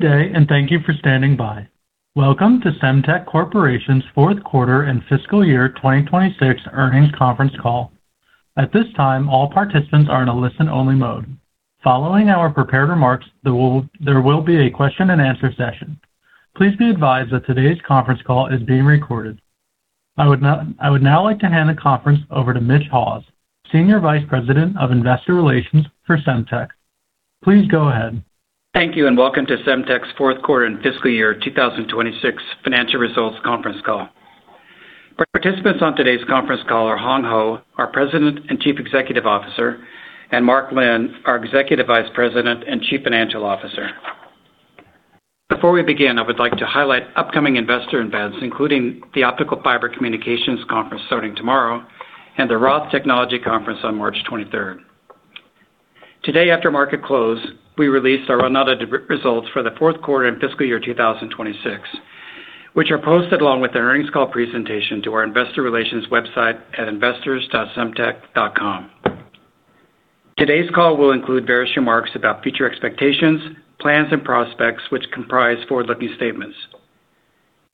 day, and thank you for standing by. Welcome to Semtech Corporation's fourth quarter and fiscal year 2026 earnings conference call. At this time, all participants are in a listen-only mode. Following our prepared remarks, there will be a question-and-answer session. Please be advised that today's conference call is being recorded. I would now like to hand the conference over to Mitch Haws, Senior Vice President of Investor Relations for Semtech. Please go ahead. Thank you and welcome to Semtech's fourth quarter and fiscal year 2026 financial results conference call. Participants on today's conference call are Hong Hou, our President and Chief Executive Officer, and Mark Lin, our Executive Vice President and Chief Financial Officer. Before we begin, I would like to highlight upcoming investor events, including the Optical Fiber Communication Conference starting tomorrow and the ROTH Technology Conference on March 23rd. Today, after market close, we released our unaudited results for the fourth quarter and fiscal year 2026, which are posted along with the earnings call presentation to our investor relations website at investors.semtech.com. Today's call will include various remarks about future expectations, plans and prospects which comprise forward-looking statements.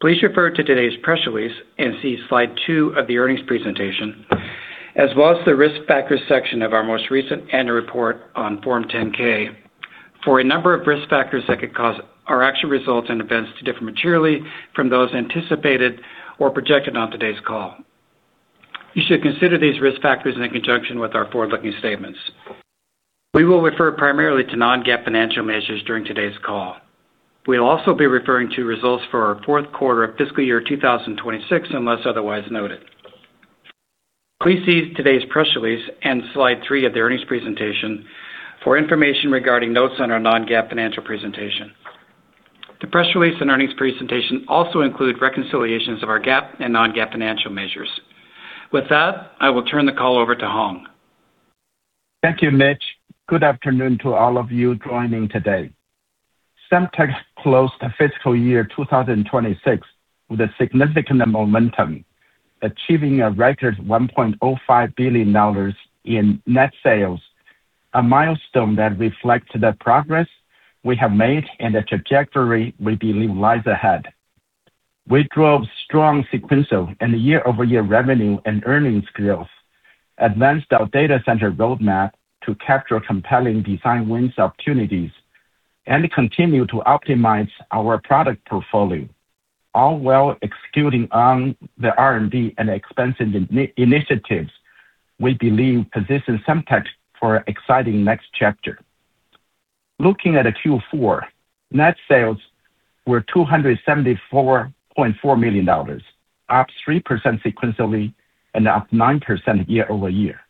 Please refer to today's press release and see slide two of the earnings presentation, as well as the Risk Factors section of our most recent annual report on Form 10-K for a number of risk factors that could cause our actual results and events to differ materially from those anticipated or projected on today's call. You should consider these risk factors in conjunction with our forward-looking statements. We will refer primarily to non-GAAP financial measures during today's call. We'll also be referring to results for our fourth quarter of fiscal year 2026, unless otherwise noted. Please see today's press release and slide three of the earnings presentation for information regarding notes on our non-GAAP financial presentation. The press release and earnings presentation also include reconciliations of our GAAP and non-GAAP financial measures. With that, I will turn the call over to Hong. Thank you, Mitch. Good afternoon to all of you joining today. Semtech closed the fiscal year 2026 with significant momentum, achieving a record $1.05 billion in net sales, a milestone that reflects the progress we have made and the trajectory we believe lies ahead. We drove strong sequential and year-over-year revenue and earnings growth, advanced our data center roadmap to capture compelling design wins opportunities, and continue to optimize our product portfolio, all while executing on the R&D and expansion initiatives we believe position Semtech for exciting next chapter. Looking at the Q4, net sales were $274.4 million, up 3% sequentially and up 9% year-over-year.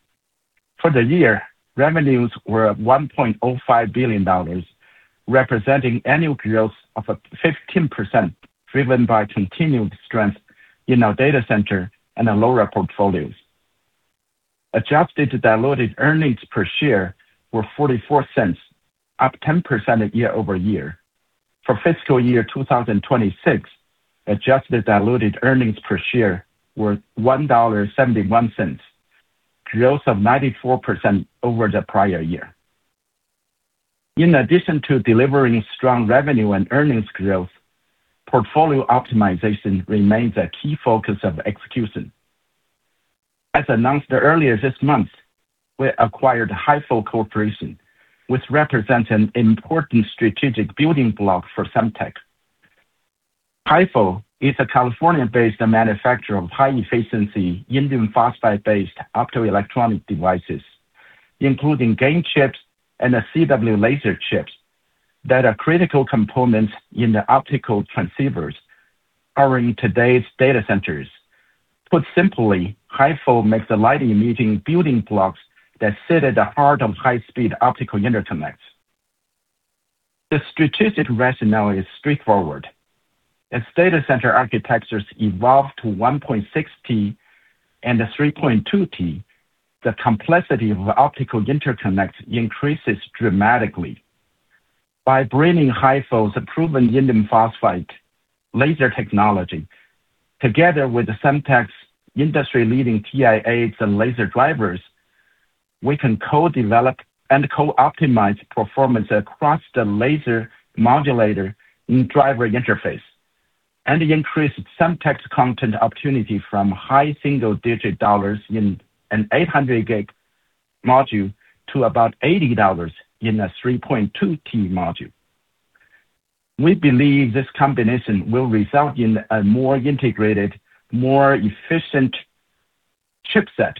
For the year, revenues were $1.05 billion, representing annual growth of 15%, driven by continued strength in our data center and LoRa portfolios. Adjusted diluted earnings per share were $0.44, up 10% year-over-year. For fiscal year 2026, adjusted diluted earnings per share were $1.71, growth of 94% over the prior year. In addition to delivering strong revenue and earnings growth, portfolio optimization remains a key focus of execution. As announced earlier this month, we acquired HieFo Corporation, which represents an important strategic building block for Semtech. HieFo is a California-based manufacturer of high-efficiency indium phosphide-based optoelectronic devices, including gain chips and CW laser chips that are critical components in the optical transceivers powering today's data centers. Put simply, HieFo makes the light-emitting building blocks that sit at the heart of high-speed optical interconnects. The strategic rationale is straightforward. As data center architectures evolve to 1.6Tb and 3.2Tb, the complexity of optical interconnects increases dramatically. By bringing HieFo's proven indium phosphide laser technology, together with Semtech's industry-leading TIAs and laser drivers, we can co-develop and co-optimize performance across the laser modulator and driver interface and increase Semtech's content opportunity from high single-digit dollars in an 800Gb module to about $80 in a 3.2Tb module. We believe this combination will result in a more integrated, more efficient chipset,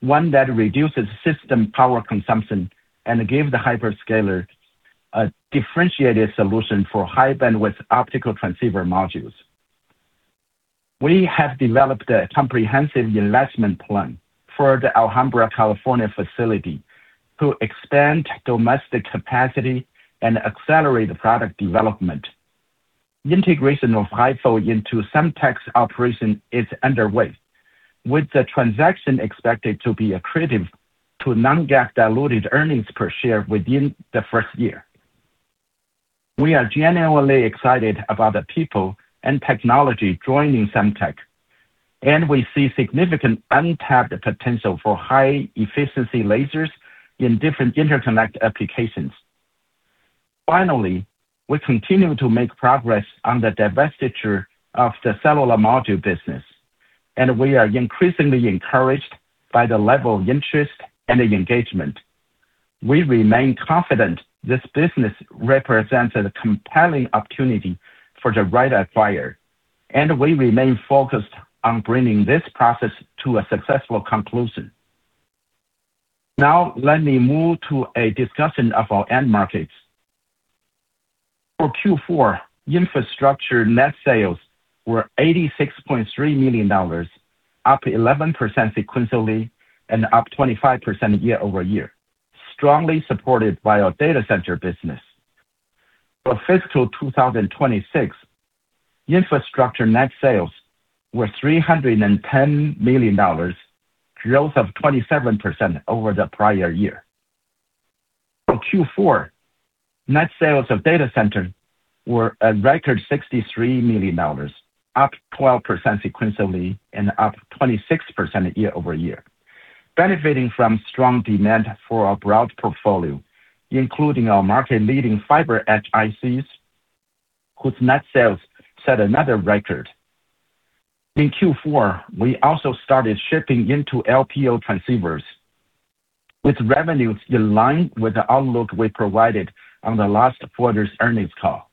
one that reduces system power consumption and give the hyperscaler a differentiated solution for high bandwidth optical transceiver modules. We have developed a comprehensive investment plan for the Alhambra, California facility to expand domestic capacity and accelerate product development. Integration of HieFo into Semtech's operation is underway, with the transaction expected to be accretive to non-GAAP diluted earnings per share within the first year. We are genuinely excited about the people and technology joining Semtech. We see significant untapped potential for high efficiency lasers in different interconnect applications. Finally, we continue to make progress on the divestiture of the cellular module business, and we are increasingly encouraged by the level of interest and engagement. We remain confident this business represents a compelling opportunity for the right acquirer, and we remain focused on bringing this process to a successful conclusion. Now let me move to a discussion of our end markets. For Q4, infrastructure net sales were $86.3 million, up 11% sequentially and up 25% year-over-year, strongly supported by our data center business. For fiscal 2026, infrastructure net sales were $310 million, growth of 27% over the prior year. For Q4, net sales of data center were a record $63 million, up 12% sequentially and up 26% year-over-year, benefiting from strong demand for our broad portfolio, including our market-leading FiberEdge ICs, whose net sales set another record. In Q4, we also started shipping into LPO transceivers with revenues in line with the outlook we provided on the last quarter's earnings call.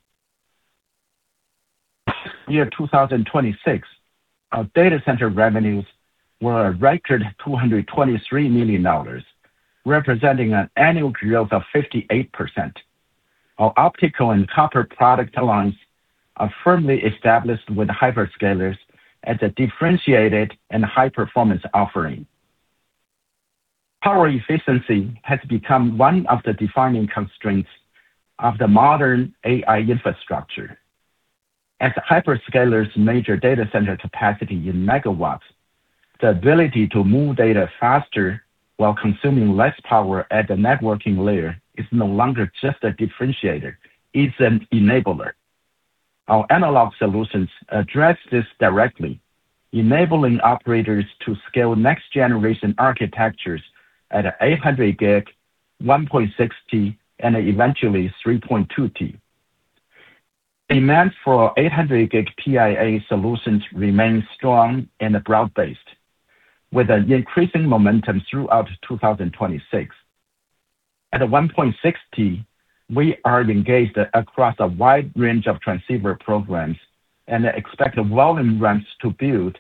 For year 2026, our data center revenues were a record $223 million, representing an annual growth of 58%. Our optical and copper product lines are firmly established with hyperscalers as a differentiated and high-performance offering. Power efficiency has become one of the defining constraints of the modern AI infrastructure. As hyperscalers measure data center capacity in megawatts, the ability to move data faster while consuming less power at the networking layer is no longer just a differentiator, it's an enabler. Our analog solutions address this directly, enabling operators to scale next-generation architectures at 800Gb, 1.6Tb, and eventually 3.2Tb. Demand for 800Gb PIA solutions remains strong and broad-based, with an increasing momentum throughout 2026. At 1.6Tb, we are engaged across a wide range of transceiver programs and expect volume ramps to build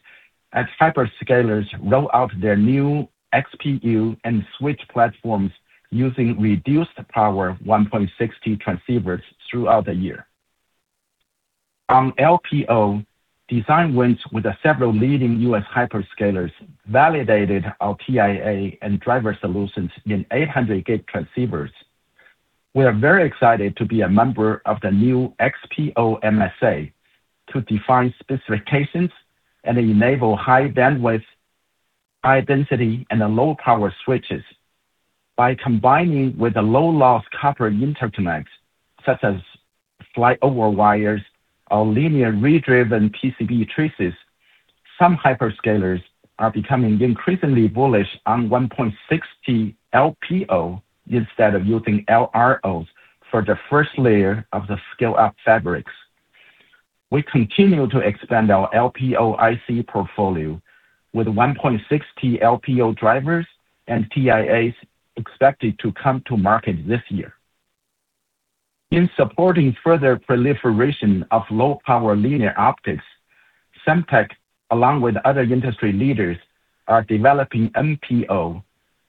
as hyperscalers roll out their new XPU and switch platforms using reduced power 1.6Tb transceivers throughout the year. On LPO, design wins with several leading U.S. hyperscalers validated our TIA and driver solutions in 800Gb transceivers. We are very excited to be a member of the new XPO MSA to define specifications and enable high bandwidth, high density and low power switches. By combining with the low-loss copper interconnects such as Flyover wires or linear redriven PCB traces, some hyperscalers are becoming increasingly bullish on 1.6Tb LPO instead of using LROs for the first layer of the scale-up fabrics. We continue to expand our LPO IC portfolio with 1.6Tb LPO drivers and TIAs expected to come to market this year. In supporting further proliferation of low-power linear optics, Semtech, along with other industry leaders, are developing NPO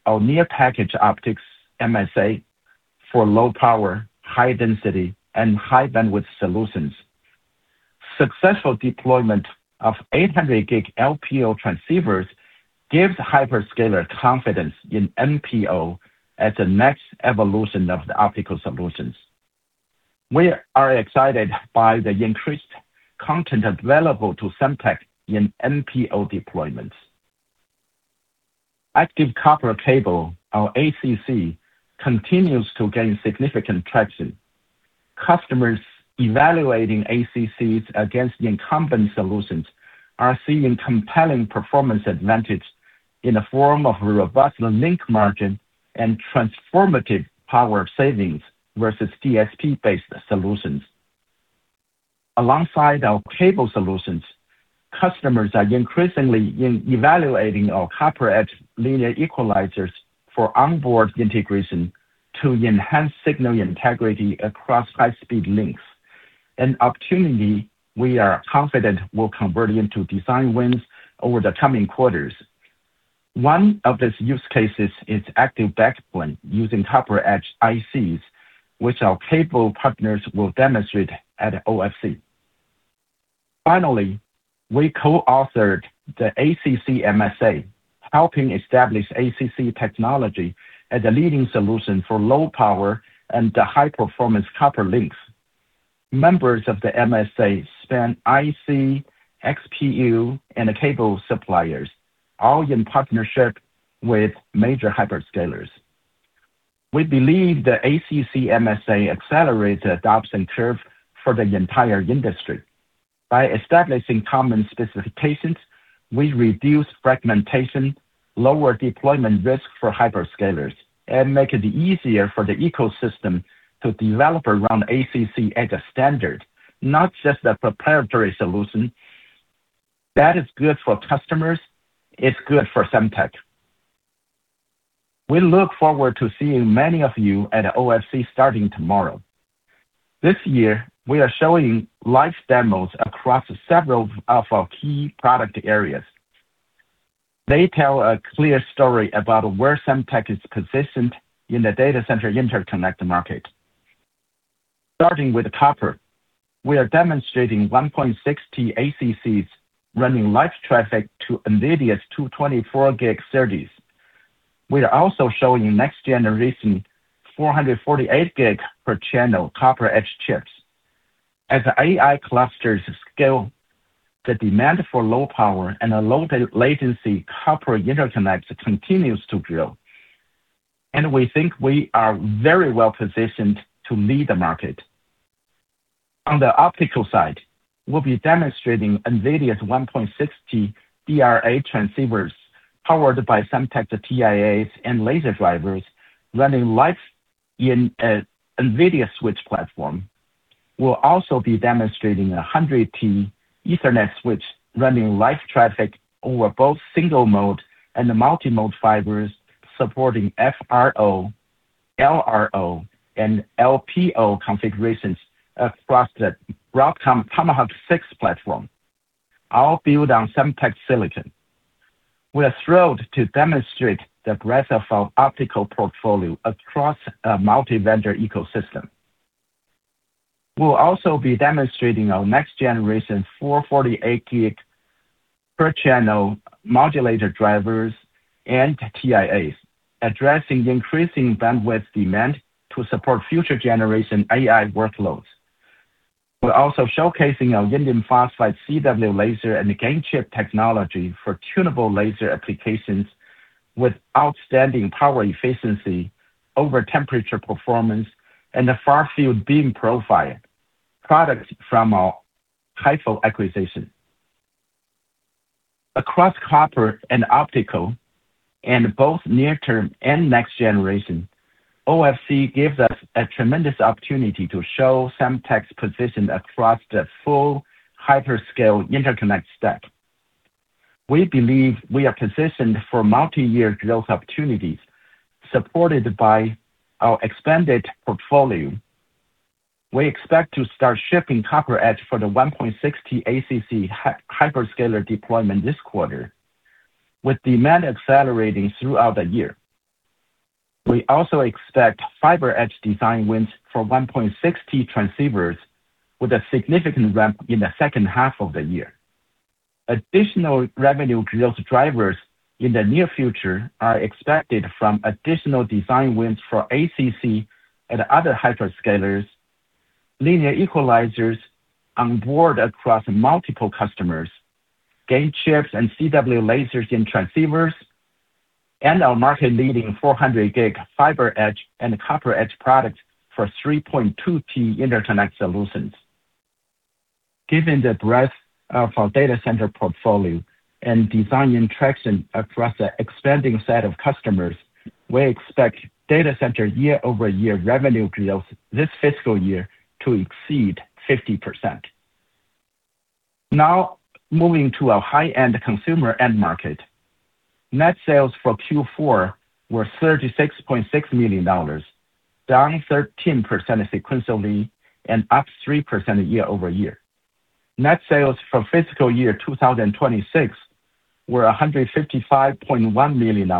or Near Package Optics MSA for low power, high density and high bandwidth solutions. Successful deployment of 800Gb LPO transceivers gives hyperscaler confidence in NPO as the next evolution of the optical solutions. We are excited by the increased content available to Semtech in NPO deployments. Active Copper Cable or ACC continues to gain significant traction. Customers evaluating ACCs against the incumbent solutions are seeing compelling performance advantage in the form of robust link margin and transformative power savings versus DSP-based solutions. Alongside our cable solutions, customers are increasingly evaluating our CopperEdge linear equalizers for onboard integration to enhance signal integrity across high-speed links. An opportunity we are confident will convert into design wins over the coming quarters. One of these use cases is active backplane using CopperEdge ICs, which our cable partners will demonstrate at OFC. Finally, we co-authored the ACC MSA, helping establish ACC technology as a leading solution for low-power and high-performance copper links. Members of the MSA span IC, XPU, and cable suppliers, all in partnership with major hyperscalers. We believe the ACC MSA accelerates the adoption curve for the entire industry. By establishing common specifications, we reduce fragmentation, lower deployment risk for hyperscalers, and make it easier for the ecosystem to develop around ACC as a standard, not just a proprietary solution. That is good for customers, it's good for Semtech. We look forward to seeing many of you at OFC starting tomorrow. This year, we are showing live demos across several of our key product areas. They tell a clear story about where Semtech is positioned in the data center interconnect market. Starting with copper, we are demonstrating 1.6Tb ACCs running live traffic to NVIDIA's 224Gb SerDes. We are also showing next generation 448Gb-per-channel CopperEdge chips. As AI clusters scale, the demand for low power and a low latency copper interconnect continues to grow, and we think we are very well-positioned to lead the market. On the optical side, we'll be demonstrating NVIDIA's 1.6Tb DR8 transceivers powered by Semtech's TIAs and laser drivers running live in a NVIDIA switch platform. We'll also be demonstrating a 102.4T Ethernet switch running live traffic over both single mode and the multi-mode fibers supporting FRO, LRO, and LPO configurations across the Broadcom Tomahawk 6 platform, all built on Semtech silicon. We are thrilled to demonstrate the breadth of our optical portfolio across a multi-vendor ecosystem. We'll also be demonstrating our next generation 448gb-per-channel modulator drivers and TIAs, addressing increasing bandwidth demand to support future generation AI workloads. We're also showcasing our indium phosphide CW laser and gain chip technology for tunable laser applications with outstanding power efficiency over temperature performance and a far-field beam profile, products from our HieFo acquisition. Across copper and optical and both near-term and next-generation, OFC gives us a tremendous opportunity to show Semtech's position across the full hyperscale interconnect stack. We believe we are positioned for multi-year growth opportunities supported by our expanded portfolio. We expect to start shipping CopperEdge for the 1.6Tb ACC hyperscaler deployment this quarter, with demand accelerating throughout the year. We also expect FiberEdge design wins for 1.6Tb transceivers with a significant ramp in the second half of the year. Additional revenue growth drivers in the near future are expected from additional design wins for ACC and other hyperscalers, linear equalizers on board across multiple customers, gain chips and CW lasers in transceivers, and our market-leading 400Gb FiberEdge and CopperEdge products for 3.2Tb interconnect solutions. Given the breadth of our data center portfolio and design interaction across an expanding set of customers, we expect data center year-over-year revenue growth this fiscal year to exceed 50%. Now moving to our high-end consumer end market. Net sales for Q4 were $36.6 million, down 13% sequentially and up 3% year-over-year. Net sales for fiscal year 2026 were $155.1 million,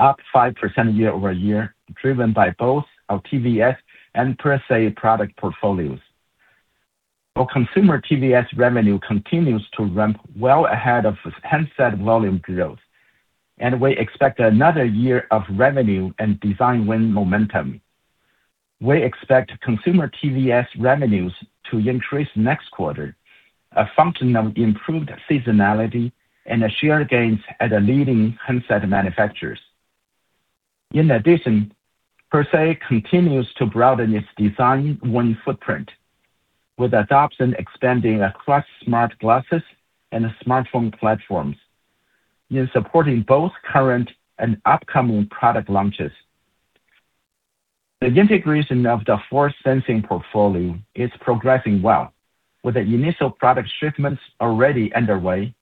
up 5% year-over-year, driven by both our TVS and PerSe product portfolios. Our consumer TVS revenue continues to ramp well ahead of handset volume growth, and we expect another year of revenue and design win momentum. We expect consumer TVS revenues to increase next quarter, a function of improved seasonality and share gains at the leading handset manufacturers. In addition, PerSe continues to broaden its design win footprint, with adoption expanding across smart glasses and smartphone platforms in supporting both current and upcoming product launches. The integration of the force-sensing portfolio is progressing well, with the initial product shipments already underway.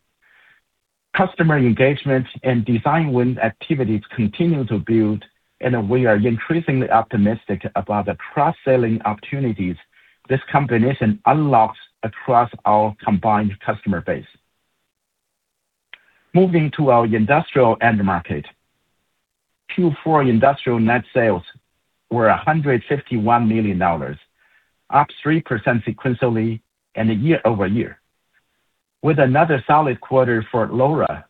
Customer engagement and design win activities continue to build, and we are increasingly optimistic about the cross-selling opportunities this combination unlocks across our combined customer base. Moving to our industrial end market. Q4 industrial net sales were $151 million, up 3% sequentially and year-over-year. With another solid quarter for LoRa,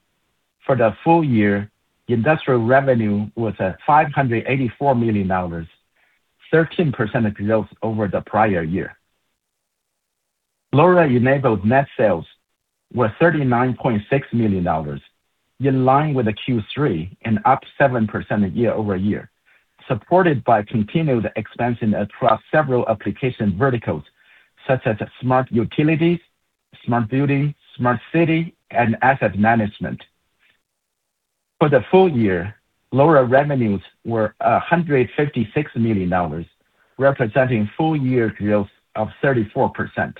for the full year, industrial revenue was at $584 million, 13% growth over the prior year. LoRa-enabled net sales were $39.6 million, in line with the Q3 and up 7% year-over-year, supported by continued expansion across several application verticals such as smart utilities, smart building, smart city, and asset management. For the full year, LoRa revenues were $156 million, representing full-year growth of 34%.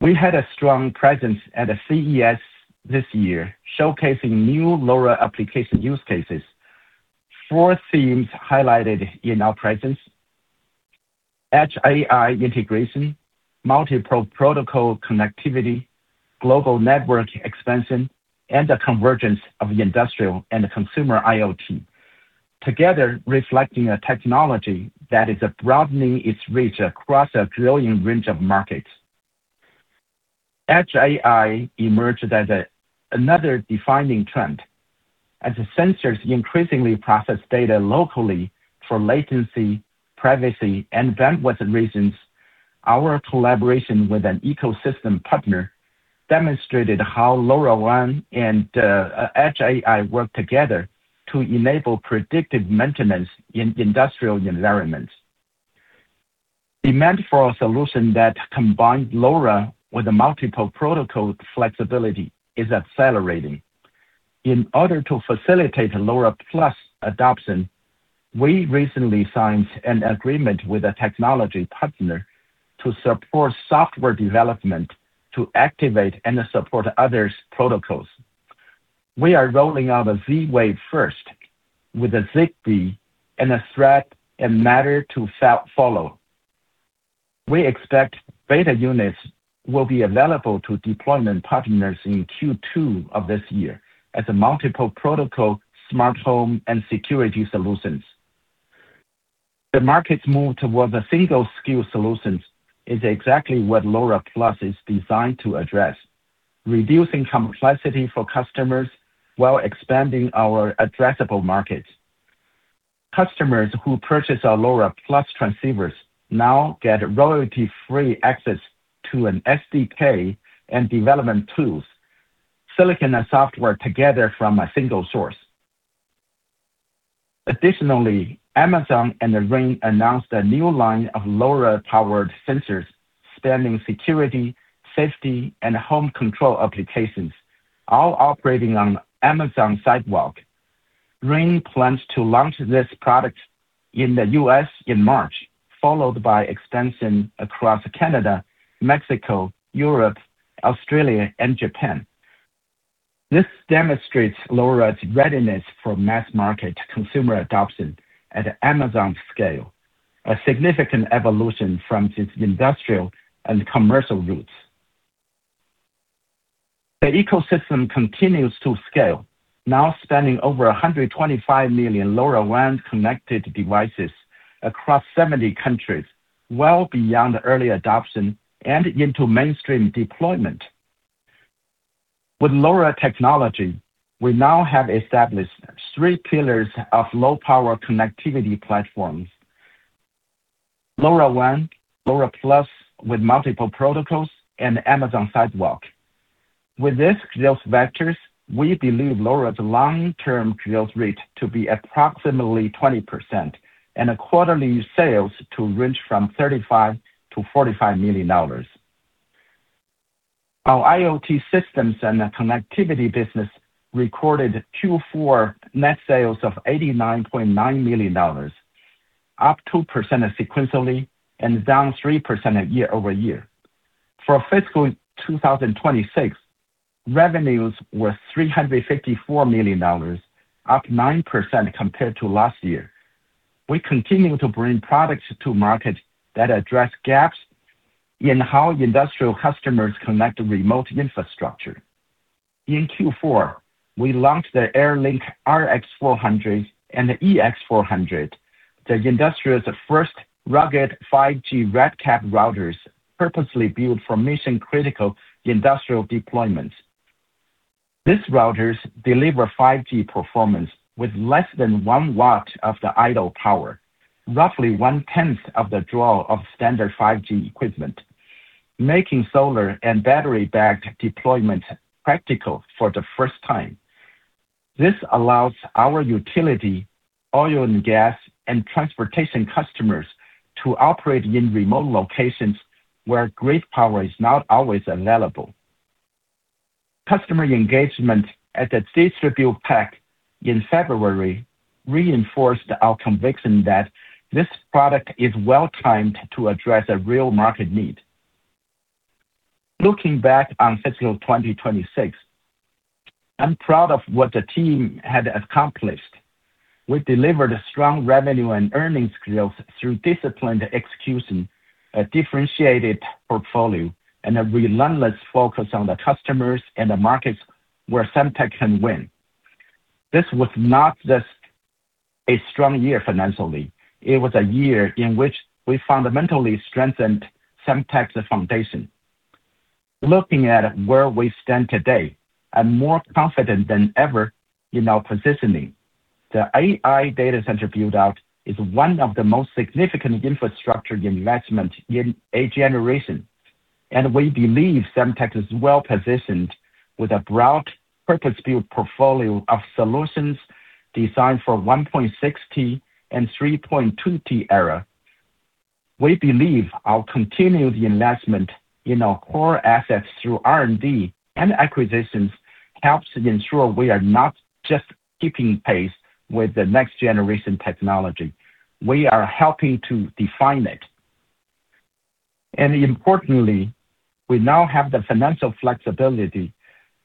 We had a strong presence at the CES this year, showcasing new LoRa application use cases. Four themes highlighted in our presence. Edge AI integration, multi-protocol connectivity, global network expansion, and the convergence of industrial and consumer IoT. Together reflecting a technology that is broadening its reach across a growing range of markets. Edge AI emerged as another defining trend. As sensors increasingly process data locally for latency, privacy, and bandwidth reasons, our collaboration with an ecosystem partner demonstrated how LoRaWAN and Edge AI work together to enable predictive maintenance in industrial environments. Demand for a solution that combines LoRa with multiple protocol flexibility is accelerating. In order to facilitate LoRa Plus adoption, we recently signed an agreement with a technology partner to support software development to activate and support others' protocols. We are rolling out Z-Wave first with Zigbee and Thread and Matter to follow. We expect beta units will be available to deployment partners in Q2 of this year as a multiple protocol, smart home, and security solutions. The market's move towards a single SKU solutions is exactly what LoRa Plus is designed to address, reducing complexity for customers while expanding our addressable markets. Customers who purchase our LoRa Plus transceivers now get royalty-free access to an SDK and development tools, silicon and software together from a single source. Additionally, Amazon and Ring announced a new line of LoRa-powered sensors spanning security, safety, and home control applications, all operating on Amazon Sidewalk. Ring plans to launch this product in the U.S. in March, followed by expansion across Canada, Mexico, Europe, Australia, and Japan. This demonstrates LoRa's readiness for mass-market consumer adoption at Amazon's scale, a significant evolution from its industrial and commercial roots. The ecosystem continues to scale, now spanning over 125 million LoRaWAN connected devices across 70 countries, well beyond early adoption and into mainstream deployment. With LoRa technology, we now have established three pillars of low-power connectivity platforms. LoRaWAN, LoRa Plus with multiple protocols, and Amazon Sidewalk. With these growth vectors, we believe LoRa's long-term growth rate to be approximately 20% and quarterly sales to range from $35 million-$45 million. Our IoT Systems and Connectivity business recorded Q4 net sales of $89.9 million, up 2% sequentially and down 3% year-over-year. For fiscal 2026, revenues were $354 million, up 9% compared to last year. We continue to bring products to market that address gaps in how industrial customers connect remote infrastructure. In Q4, we launched the AirLink RX400 and EX400, the industry's first rugged 5G RedCap routers purposely built for mission-critical industrial deployments. These routers deliver 5G performance with less than one watt of the idle power, roughly 1/10 of the draw of standard 5G equipment, making solar and battery-backed deployment practical for the first time. This allows our utility, oil and gas, and transportation customers to operate in remote locations where grid power is not always available. Customer engagement at the DistribuTECH in February reinforced our conviction that this product is well-timed to address a real market need. Looking back on fiscal 2026, I'm proud of what the team had accomplished. We delivered strong revenue and earnings growth through disciplined execution, a differentiated portfolio, and a relentless focus on the customers and the markets where Semtech can win. This was not just a strong year financially. It was a year in which we fundamentally strengthened Semtech's foundation. Looking at where we stand today, I'm more confident than ever in our positioning. The AI data center build out is one of the most significant infrastructure investment in a generation, and we believe Semtech is well-positioned with a broad purpose-built portfolio of solutions designed for 1.6Tb and 3.2Tb era. We believe our continued investment in our core assets through R&D and acquisitions helps to ensure we are not just keeping pace with the next generation technology, we are helping to define it. Importantly, we now have the financial flexibility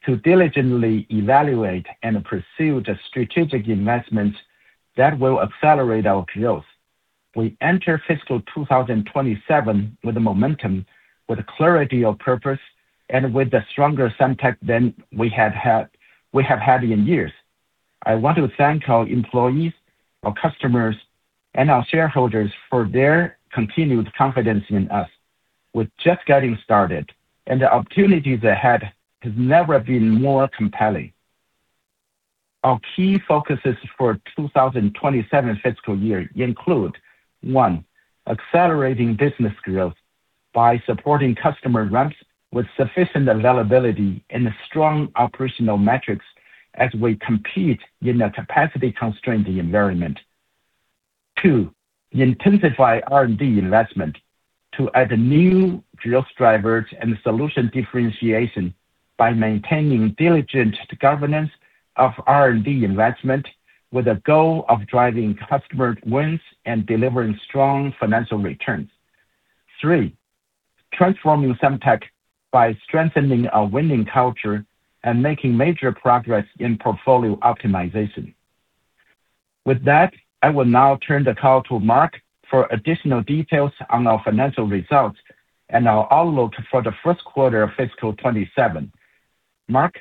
to diligently evaluate and pursue the strategic investments that will accelerate our growth. We enter fiscal 2027 with a momentum, with a clarity of purpose, and with a stronger Semtech than we have had in years. I want to thank our employees, our customers, and our shareholders for their continued confidence in us. We're just getting started and the opportunities ahead has never been more compelling. Our key focuses for 2027 fiscal year include, one, accelerating business growth by supporting customer ramps with sufficient availability and strong operational metrics as we compete in a capacity-constrained environment. Two, intensify R&D investment to add new growth drivers and solution differentiation by maintaining diligent governance of R&D investment with the goal of driving customer wins and delivering strong financial returns. Three, transforming Semtech by strengthening our winning culture and making major progress in portfolio optimization. With that, I will now turn the call to Mark for additional details on our financial results and our outlook for the first quarter of fiscal 2027. Mark?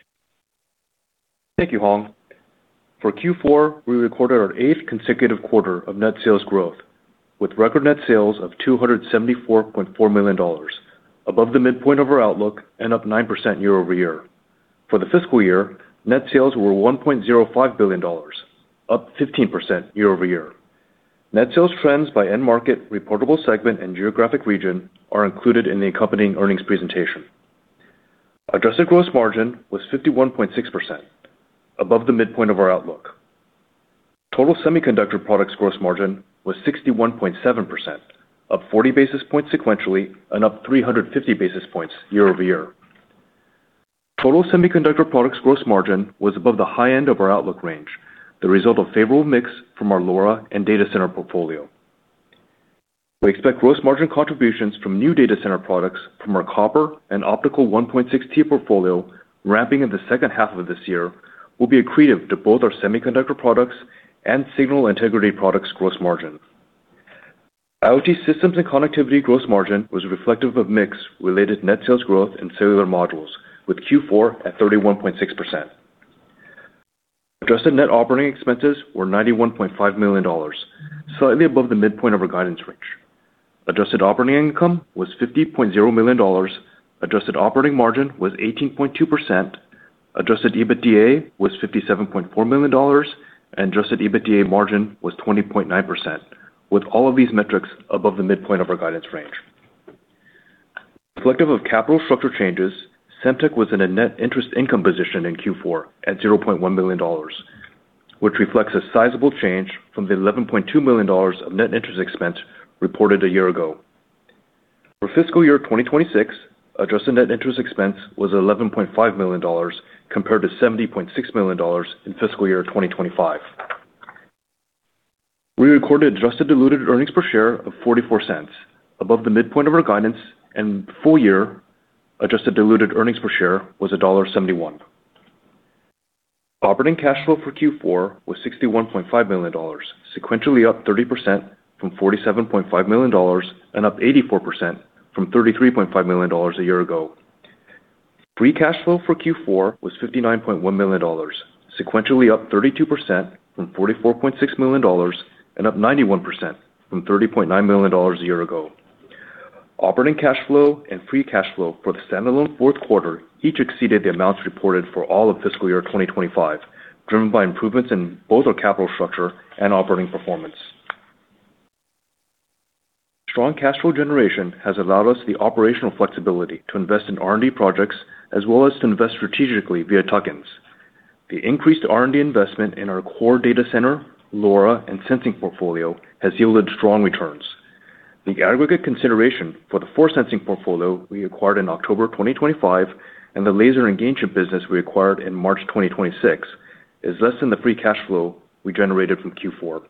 Thank you, Hong. For Q4, we recorded our eighth consecutive quarter of net sales growth, with record net sales of $274.4 million, above the midpoint of our outlook and up 9% year-over-year. For the fiscal year, net sales were $1.05 billion, up 15% year-over-year. Net sales trends by end market, reportable segment, and geographic region are included in the accompanying earnings presentation. Adjusted gross margin was 51.6%, above the midpoint of our outlook. Total semiconductor products gross margin was 61.7%, up 40 basis points sequentially and up 350 basis points year-over-year. Total semiconductor products gross margin was above the high end of our outlook range, the result of favorable mix from our LoRa and data center portfolio. We expect gross margin contributions from new data center products from our copper and optical 1.6Tb portfolio ramping in the second half of this year will be accretive to both our semiconductor products and signal integrity products gross margin. IoT Systems and Connectivity gross margin was reflective of mix-related net sales growth in cellular modules with Q4 at 31.6%. Adjusted net operating expenses were $91.5 million, slightly above the midpoint of our guidance range. Adjusted operating income was $50.0 million. Adjusted operating margin was 18.2%. Adjusted EBITDA was $57.4 million, and adjusted EBITDA margin was 20.9%, with all of these metrics above the midpoint of our guidance range. Reflective of capital structure changes, Semtech was in a net interest income position in Q4 at $0.1 million, which reflects a sizable change from the $11.2 million of net interest expense reported a year ago. For fiscal year 2026, adjusted net interest expense was $11.5 million compared to $70.6 million in fiscal year 2025. We recorded adjusted diluted earnings per share of $0.44 above the midpoint of our guidance and full-year adjusted diluted earnings per share was $1.71. Operating cash flow for Q4 was $61.5 million, sequentially up 30% from $47.5 million and up 84% from $33.5 million a year ago. Free cash flow for Q4 was $59.1 million, sequentially up 32% from $44.6 million and up 91% from $30.9 million a year ago. Operating cash flow and free cash flow for the standalone fourth quarter each exceeded the amounts reported for all of fiscal year 2025, driven by improvements in both our capital structure and operating performance. Strong cash flow generation has allowed us the operational flexibility to invest in R&D projects as well as to invest strategically via tuck-ins. The increased R&D investment in our core data center, LoRa, and sensing portfolio has yielded strong returns. The aggregate consideration for the force-sensing portfolio we acquired in October 2025 and the laser engagement business we acquired in March 2026 is less than the free cash flow we generated from Q4.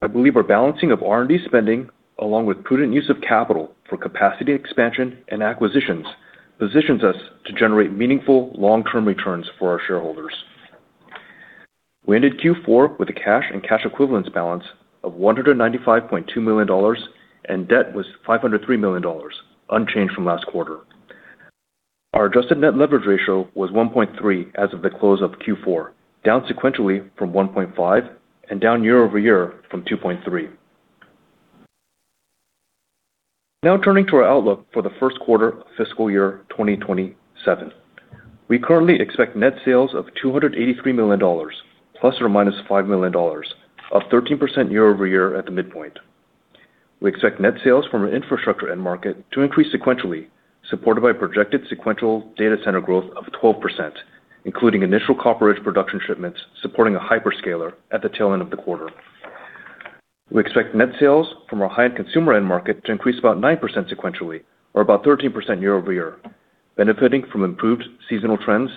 I believe our balancing of R&D spending, along with prudent use of capital for capacity expansion and acquisitions, positions us to generate meaningful long-term returns for our shareholders. We ended Q4 with a cash and cash equivalents balance of $195.2 million and debt was $503 million, unchanged from last quarter. Our adjusted net leverage ratio was 1.3x as of the close of Q4, down sequentially from 1.5x and down year-over-year from 2.3x. Now turning to our outlook for the first quarter of fiscal year 2027. We currently expect net sales of $283 million ±$5 million, up 13% year-over-year at the midpoint. We expect net sales from our infrastructure end market to increase sequentially, supported by projected sequential data center growth of 12%, including initial CopperEdge production shipments supporting a hyperscaler at the tail end of the quarter. We expect net sales from our High-End Consumer end market to increase about 9% sequentially, or about 13% year-over-year, benefiting from improved seasonal trends,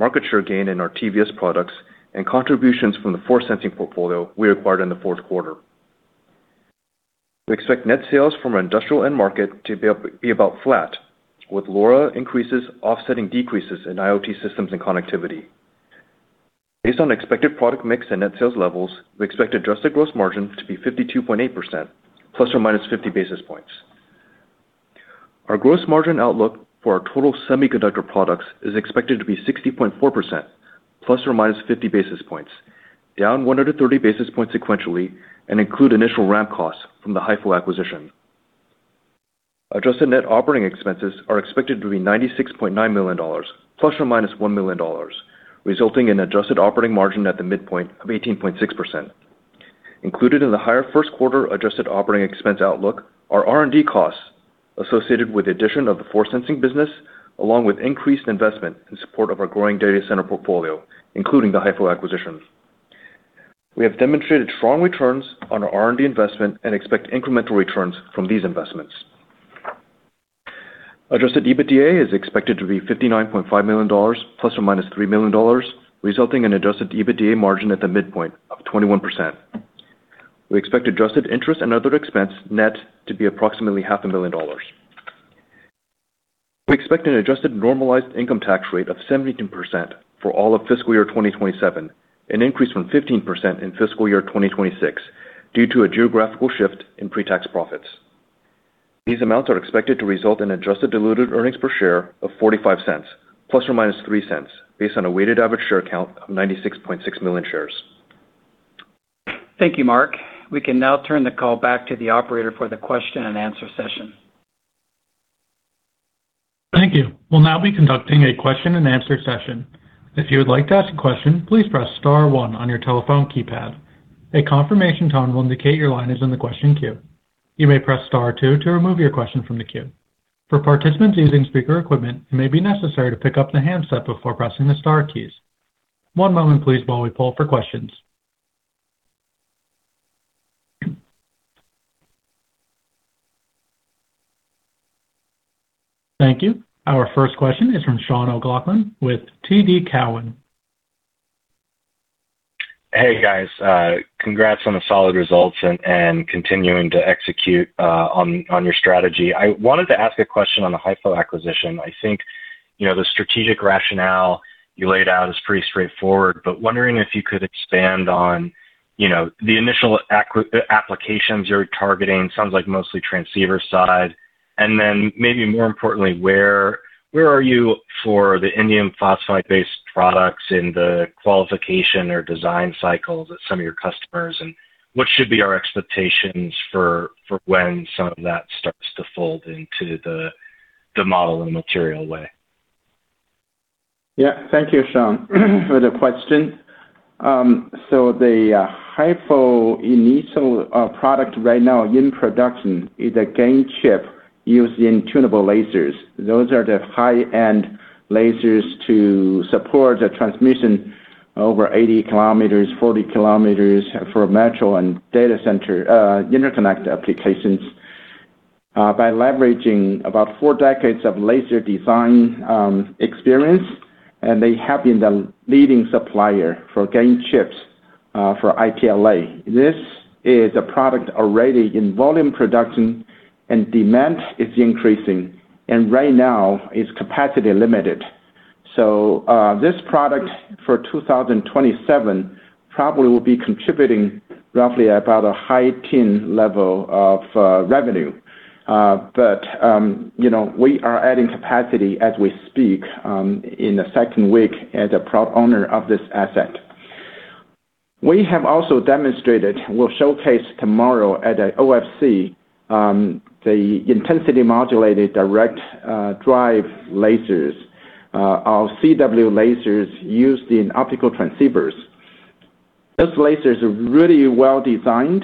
market share gain in our TVS products, and contributions from the force-sensing portfolio we acquired in the fourth quarter. We expect net sales from our industrial end market to be about flat, with LoRa increases offsetting decreases in IoT Systems and Connectivity. Based on expected product mix and net sales levels, we expect adjusted gross margin to be 52.8% ±50 basis points. Our gross margin outlook for our total semiconductor products is expected to be 60.4% ±50 basis points, down 130 basis points sequentially and include initial ramp costs from the HieFo acquisition. Adjusted net operating expenses are expected to be $96.9 million ±$1 million, resulting in adjusted operating margin at the midpoint of 18.6%. Included in the higher first quarter adjusted operating expense outlook are R&D costs associated with the addition of the force-sensing business, along with increased investment in support of our growing data center portfolio, including the HieFo acquisition. We have demonstrated strong returns on our R&D investment and expect incremental returns from these investments. Adjusted EBITDA is expected to be $59.5 million ± $3 million, resulting in adjusted EBITDA margin at the midpoint of 21%. We expect adjusted interest and other expense net to be approximately half a million dollars. We expect an adjusted normalized income tax rate of 17% for all of fiscal year 2027, an increase from 15% in fiscal year 2026 due to a geographical shift in pre-tax profits. These amounts are expected to result in adjusted diluted earnings per share of $0.45 ± $0.03 based on a weighted average share count of 96.6 million shares. Thank you, Mark. We can now turn the call back to the operator for the question and answer session. Thank you. We'll now be conducting a question and answer session. If you would like to ask a question, please press star one on your telephone keypad. A confirmation tone will indicate your line is in the question queue. You may press star two to remove your question from the queue. For participants using speaker equipment, it may be necessary to pick up the handset before pressing the star keys. One moment please while we poll for questions. Thank you. Our first question is from Sean O'Loughlin with TD Cowen. Hey, guys. Congrats on the solid results and continuing to execute on your strategy. I wanted to ask a question on the HieFo acquisition. I think, you know, the strategic rationale you laid out is pretty straightforward, but wondering if you could expand on, you know, the initial applications you're targeting. Sounds like mostly transceiver side, and then maybe more importantly, where are you for the indium phosphide-based products in the qualification or design cycles at some of your customers, and what should be our expectations for when some of that starts to fold into the model in a material way? Thank you, Sean, for the question. The HieFo initial product right now in production is a gain chip used in tunable lasers. Those are the high-end lasers to support the transmission over 80 km, 40 km for metro and data center interconnect applications. By leveraging about four decades of laser design experience, and they have been the leading supplier for gain chips for iCLA. This is a product already in volume production and demand is increasing, and right now is capacity limited. This product for 2027 probably will be contributing roughly about a high-teens level of revenue. You know, we are adding capacity as we speak, in the second week as a proud owner of this asset. We have also demonstrated, we'll showcase tomorrow at the OFC, the intensity modulated direct drive lasers, our CW lasers used in optical transceivers. Those lasers are really well designed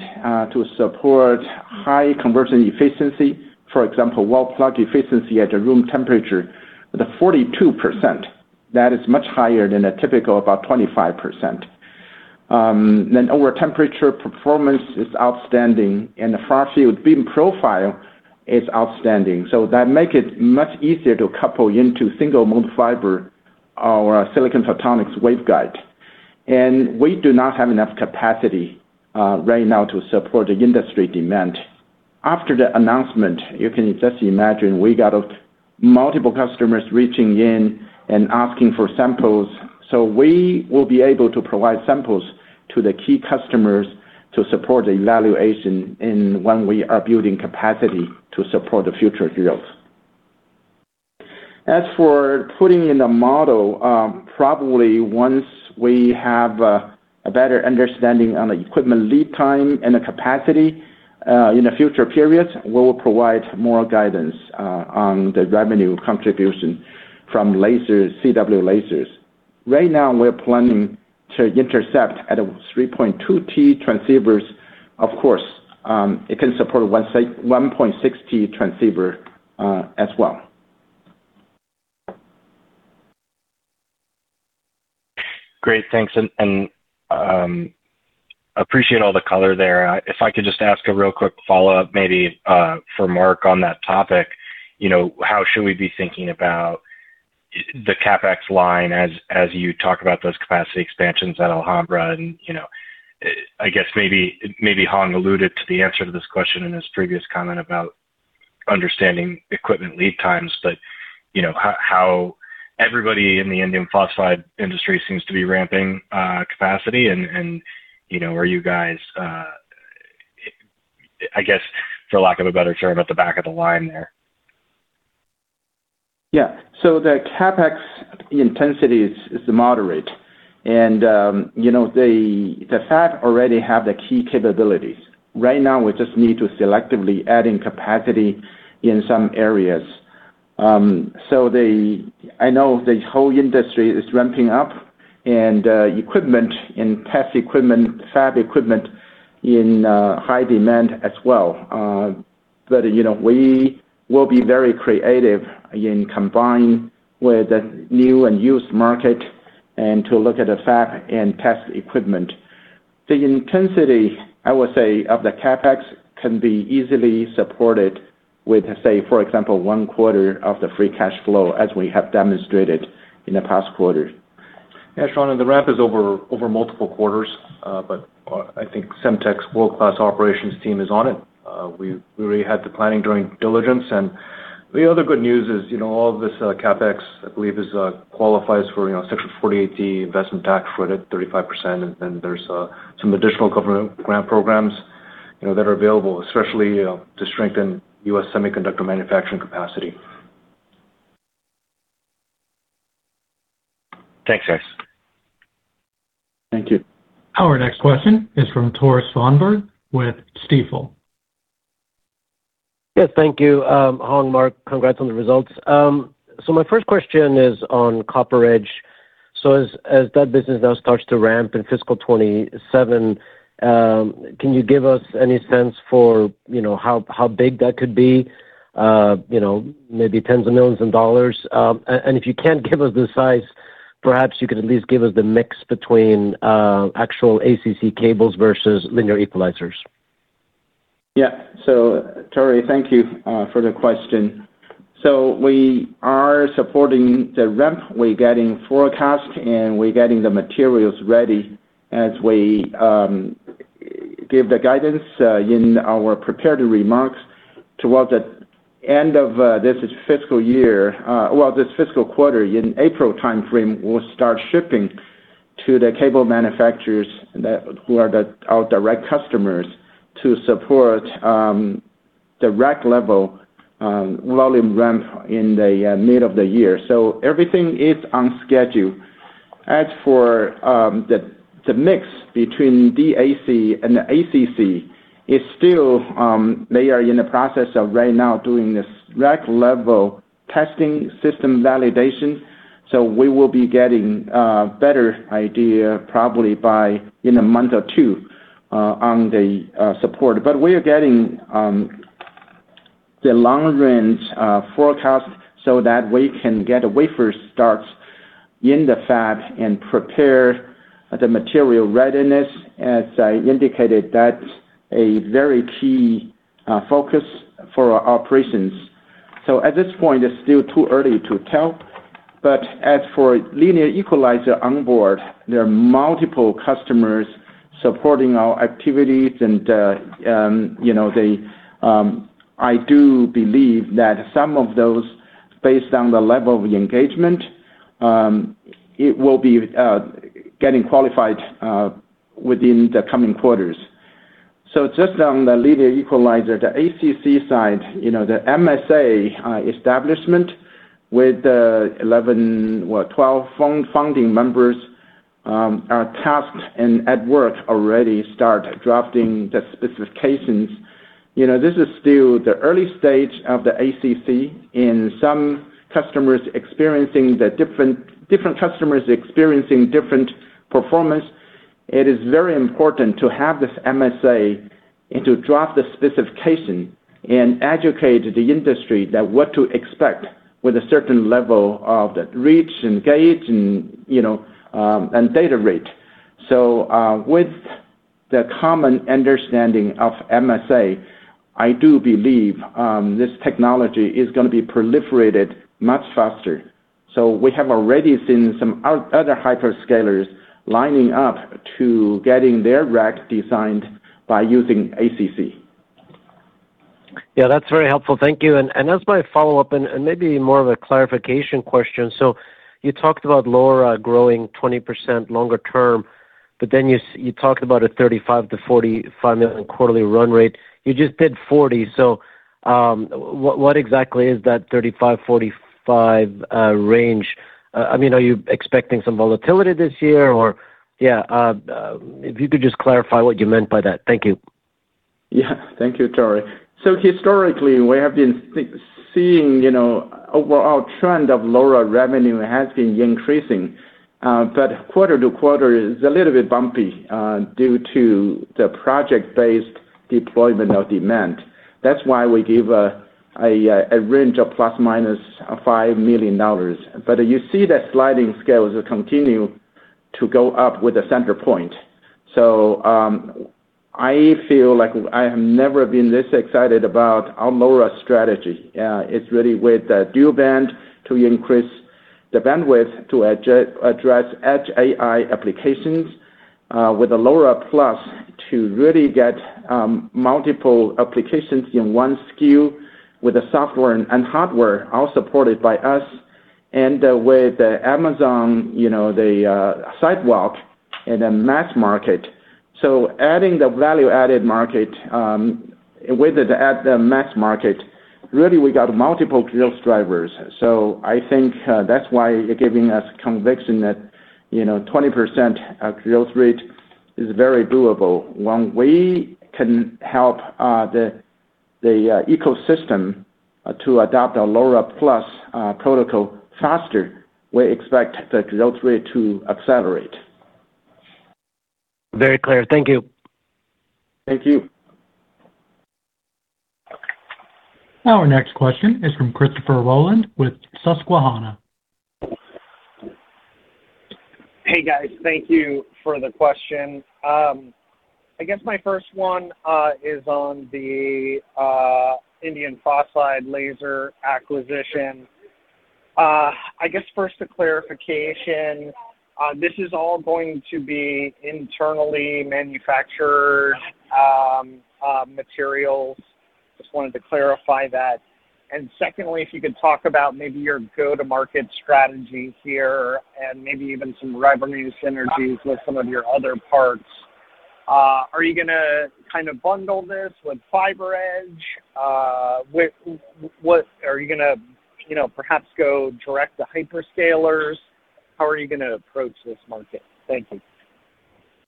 to support high conversion efficiency. For example, wall-plug efficiency at the room temperature at 42%. That is much higher than a typical about 25%. Our temperature performance is outstanding and the far field beam profile is outstanding. That make it much easier to couple into single-mode fiber our silicon photonics waveguide. We do not have enough capacity right now to support the industry demand. After the announcement, you can just imagine, we got multiple customers reaching out and asking for samples. We will be able to provide samples to the key customers to support the evaluation and when we are building capacity to support the future yields. As for putting in a model, probably once we have a better understanding on the equipment lead time and the capacity in the future periods, we'll provide more guidance on the revenue contribution from CW lasers. Right now, we're planning to intercept at 3.2Tb transceivers. Of course, it can support 1.6Tb transceiver as well. Great. Thanks. Appreciate all the color there. If I could just ask a real quick follow-up maybe for Mark on that topic. You know, how should we be thinking about the CapEx line as you talk about those capacity expansions at Alhambra and, you know. I guess maybe Hong alluded to the answer to this question in his previous comment about understanding equipment lead times, but, you know, how everybody in the Indium Phosphide industry seems to be ramping capacity and, you know, are you guys, I guess, for lack of a better term, at the back of the line there? Yeah. The CapEx intensity is moderate. The fact that we already have the key capabilities. Right now we just need to selectively add in capacity in some areas. I know the whole industry is ramping up, and equipment and test equipment, fab equipment in high demand as well. We will be very creative in combining with the new and used market and to look at the fab and test equipment. The intensity, I would say, of the CapEx can be easily supported with, say, for example, one quarter of the free cash flow as we have demonstrated in the past quarters. Yeah, Sean, the ramp is over multiple quarters, but I think Semtech's world-class operations team is on it. We already had the planning during diligence. The other good news is, you know, all of this CapEx I believe is qualifies for, you know, Section 48D Investment Tax Credit—35%. Then there's some additional government grant programs, you know, that are available, especially, you know, to strengthen U.S. semiconductor manufacturing capacity. Thanks, guys. Thank you. Our next question is from Tore Svanberg with Stifel. Yes, thank you, Hong, Mark. Congrats on the results. My first question is on CopperEdge. As that business now starts to ramp in fiscal 2027, can you give us any sense for, you know, how big that could be? You know, maybe tens of millions of dollars. And if you can't give us the size, perhaps you could at least give us the mix between active ACC cables versus linear equalizers. Yeah. Tore, thank you for the question. We are supporting the ramp. We're getting forecast, and we're getting the materials ready as we give the guidance in our prepared remarks. Towards the end of this fiscal quarter, in April timeframe, we'll start shipping to the cable manufacturers who are our direct customers to support the rack level volume ramp in the mid of the year. Everything is on schedule. As for the mix between DAC and the ACC, it's still they are in the process of right now doing this rack level testing system validation. We will be getting a better idea probably by in a month or two on the support. We are getting the long-range forecast so that we can get a wafer start in the fab and prepare the material readiness. As I indicated, that's a very key focus for our operations. At this point, it's still too early to tell. As for linear equalizer onboard, there are multiple customers supporting our activities and, you know, they, I do believe that some of those, based on the level of engagement, it will be getting qualified within the coming quarters. Just on the linear equalizer, the ACC side, you know, the MSA establishment with 11 or 12 founding members are tasked and at work already start drafting the specifications. You know, this is still the early stage of the ACC, and different customers are experiencing different performance. It is very important to have this MSA and to draft the specification and educate the industry that what to expect with a certain level of the reach, engage, and, you know, and data rate. With the common understanding of MSA, I do believe this technology is gonna be proliferated much faster. We have already seen some other hyperscalers lining up to getting their rack designed by using ACC. Yeah, that's very helpful. Thank you. As my follow-up and maybe more of a clarification question, you talked about LoRa growing 20% longer term. Then you talked about a $35 million-$45 million quarterly run rate. You just did $40 million. What exactly is that $35 million-$45 million range? I mean, are you expecting some volatility this year or yeah, if you could just clarify what you meant by that. Thank you. Yeah. Thank you, Tore. Historically, we have been seeing, you know, overall trend of LoRa revenue has been increasing. But quarter to quarter is a little bit bumpy due to the project-based deployment of demand. That's why we give a range of ±$5 million. But you see that sliding scale will continue to go up with the center point. I feel like I have never been this excited about our LoRa strategy. It's really with the dual band to increase the bandwidth to address Edge AI applications with a LoRa Plus to really get multiple applications in one SKU with the software and hardware all supported by us, and with the Amazon, you know, the Sidewalk and the mass market. Adding the value-added market with the mass market, really we got multiple growth drivers. I think that's why giving us conviction that, you know, 20% growth rate is very doable. When we can help the ecosystem to adopt LoRa Plus protocol faster, we expect the growth rate to accelerate. Very clear. Thank you. Thank you. Our next question is from Christopher Rolland with Susquehanna. Hey, guys. Thank you for the question. I guess my first one is on the Indium Phosphide laser acquisition. I guess first a clarification, this is all going to be internally manufactured materials. Just wanted to clarify that. Secondly, if you could talk about maybe your go-to-market strategy here and maybe even some revenue synergies with some of your other parts. Are you gonna kind of bundle this with FiberEdge? What are you gonna, you know, perhaps go direct to hyperscalers? How are you gonna approach this market? Thank you.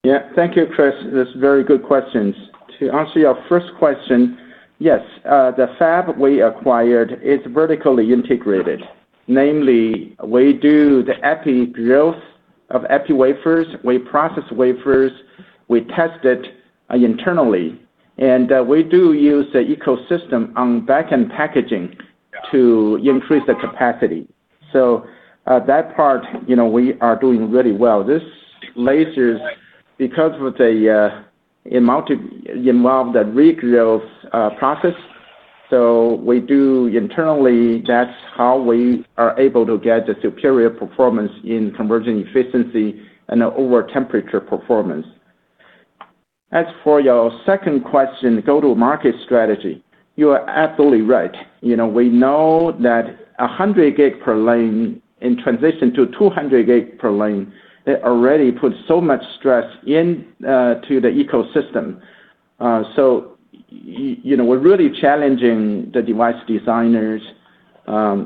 Yeah. Thank you, Chris. That's very good questions. To answer your first question, yes, the fab we acquired is vertically integrated. Namely, we do the epi growth of epi wafers. We process wafers. We test it internally. We do use the ecosystem on backend packaging to increase the capacity. That part, you know, we are doing really well. These lasers, because with the amount involved that regrowth process, so we do internally, that's how we are able to get the superior performance in conversion efficiency and over temperature performance. As for your second question, go-to-market strategy, you are absolutely right. You know, we know that 100Gb per lane in transition to 200Gb per lane, it already puts so much stress into the ecosystem. You know, we're really challenging the device designers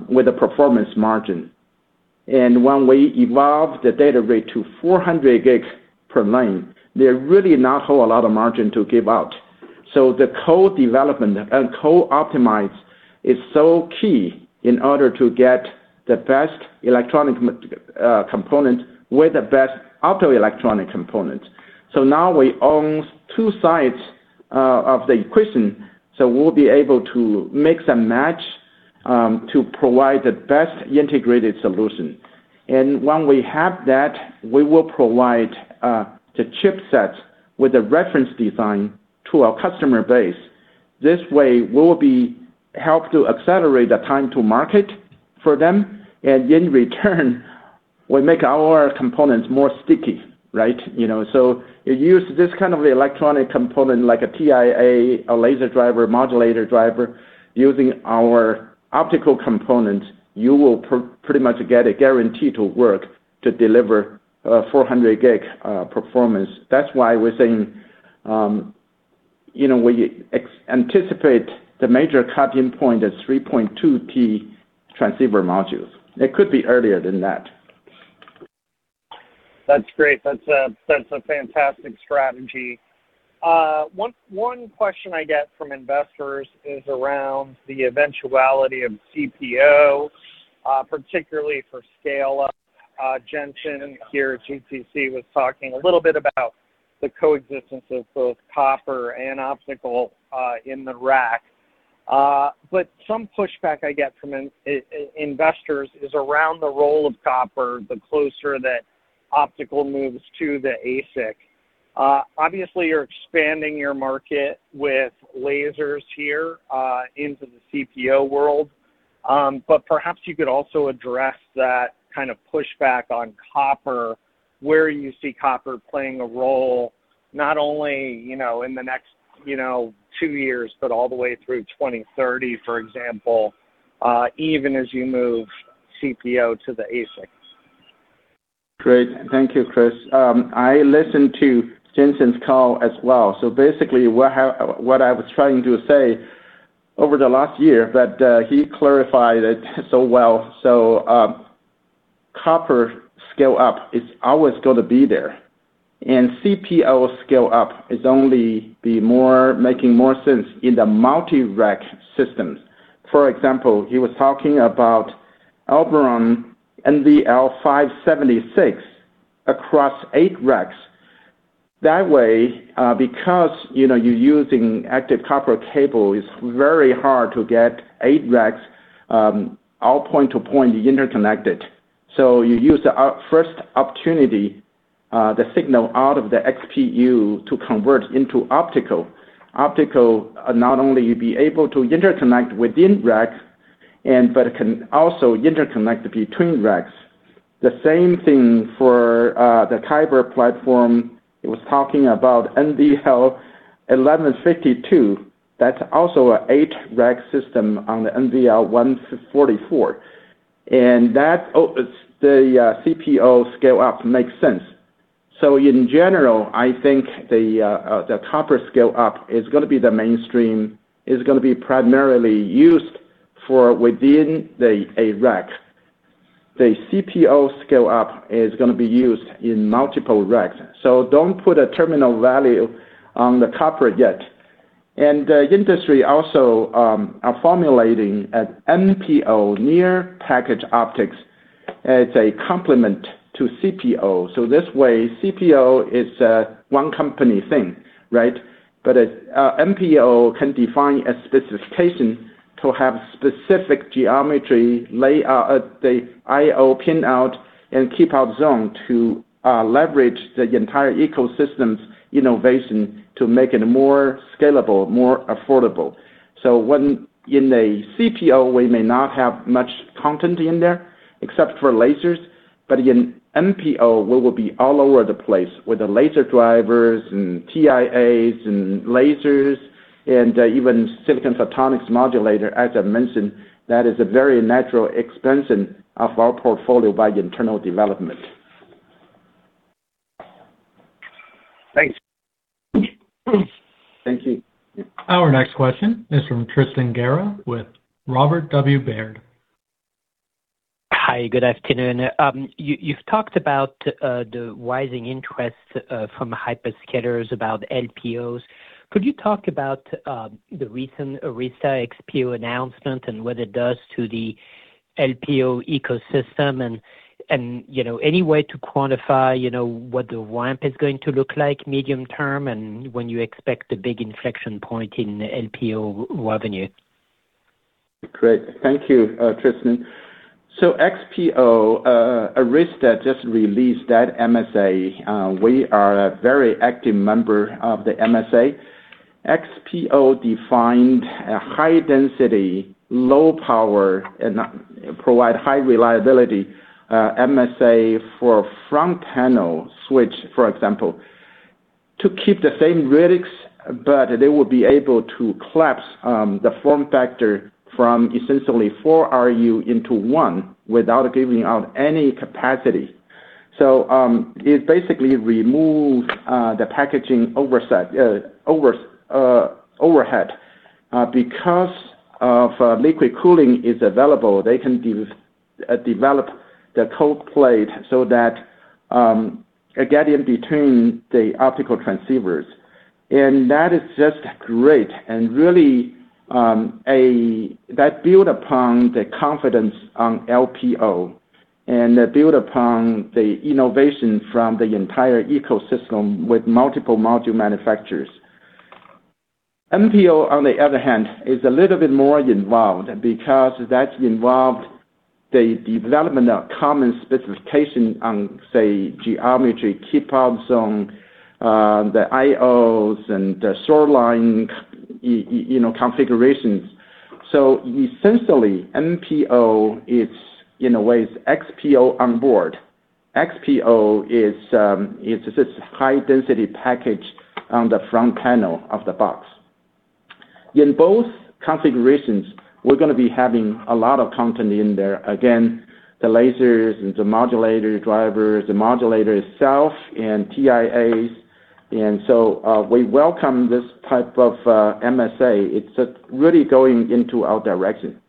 with the performance margin. When we evolve the data rate to 400Gb per lane, there's really not a whole lot of margin to give out. The co-development and co-optimize is so key in order to get the best electronic component with the best optoelectronic component. Now we own two sides of the equation, we'll be able to mix and match to provide the best integrated solution. When we have that, we will provide the chipsets with a reference design to our customer base. This way we'll be helped to accelerate the time to market for them, and in return, we make our components more sticky, right? You know, you use this kind of electronic component like a TIA, a laser driver, modulator driver, using our optical component, you will pretty much get a guarantee to work to deliver 400Gb performance. That's why we're saying, you know, we anticipate the major cut-in point is 3.2Tb transceiver modules. It could be earlier than that. That's great. That's a fantastic strategy. One question I get from investors is around the eventuality of CPO, particularly for scale up. Jensen here at GTC was talking a little bit about the coexistence of both copper and optical in the rack. But some pushback I get from investors is around the role of copper, the closer that optical moves to the ASIC. Obviously you're expanding your market with lasers here into the CPO world. But perhaps you could also address that kind of pushback on copper, where you see copper playing a role. Not only in the next two years, but all the way through 2030, for example, even as you move CPO to the ASICs. Great. Thank you, Chris. I listened to Jensen's call as well. Basically, what I was trying to say over the last year, but he clarified it so well. Copper scale-up is always gonna be there, and CPO scale-up is only be making more sense in the multi-rack systems. For example, he was talking about Kyber NVL576 across eight racks. That way, because, you know, you're using active copper cable, it's very hard to get eight racks all point-to-point interconnected. You use the first opportunity, the signal out of the XPU to convert into optical. Optical, not only you'd be able to interconnect within racks, but it can also interconnect between racks. The same thing for the Kyber platform. It was talking about NVLink 1152. That's also a eight-rack system on the NVLink 144. The CPO scale-up makes sense. In general, I think the copper scale-up is gonna be the mainstream. It's gonna be primarily used for a rack. The CPO scale-up is gonna be used in multiple racks. Don't put a terminal value on the copper yet. The industry also are formulating a NPO, near-packaged optics, as a complement to CPO. This way, CPO is one company thing, right? But NPO can define a specification to have specific geometry layout, the I/O pin out and keep-out zone to leverage the entire ecosystem's innovation to make it more scalable, more affordable. When in a CPO, we may not have much content in there, except for lasers, but in NPO, we will be all over the place with the laser drivers and TIAs and lasers and even silicon photonics modulator, as I mentioned. That is a very natural extension of our portfolio by internal development. Thanks. Thank you. Our next question is from Tristan Gerra with Robert W. Baird. Hi, good afternoon. You've talked about the rising interest from hyperscalers about LPOs. Could you talk about the recent Arista XPO announcement and what it does to the LPO ecosystem and, you know, any way to quantify, you know, what the ramp is going to look like medium term and when you expect the big inflection point in LPO revenue? Great. Thank you, Tristan. XPO, Arista just released that MSA. We are a very active member of the MSA. XPO defined a high density, low power, and provide high reliability MSA for front panel switch, for example, to keep the same radix, but they will be able to collapse the form factor from essentially 4RU into 1RU without giving out any capacity. It basically removes the packaging overhead. Because of liquid cooling is available, they can develop the cold plate so that, again, in between the optical transceivers. That is just great. Really, that build upon the confidence on LPO and that build upon the innovation from the entire ecosystem with multiple module manufacturers. NPO, on the other hand, is a little bit more involved because that involved the development of common specification on, say, geometry, keep out zone, the IOs and the short line, you know, configurations. Essentially, NPO it's, in a way, it's XPO on board. XPO is, it's this high density package on the front panel of the box. In both configurations, we're gonna be having a lot of content in there. Again, the lasers and the modulator drivers, the modulator itself, and TIAs. We welcome this type of MSA. It's really going into our direction.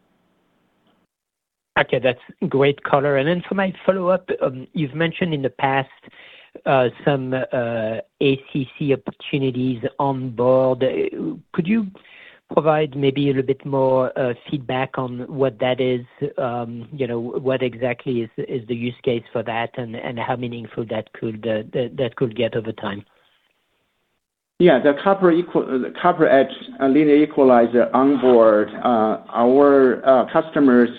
Okay, that's great color. For my follow-up, you've mentioned in the past some ACC opportunities on board. Could you provide maybe a little bit more feedback on what that is? You know, what exactly is the use case for that and how meaningful that could get over time? The CopperEdge linear equalizer on board, our customers